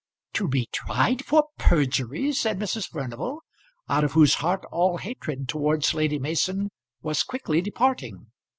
"To be tried for perjury!" said Mrs. Furnival, out of whose heart all hatred towards Lady Mason was quickly departing.